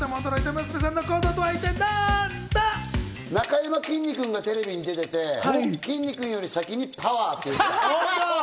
なかやまきんに君がテレビに出てて、きんに君より先にパワー！と言った。